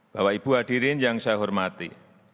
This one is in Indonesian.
bapak ibu hadirin yang saya hormati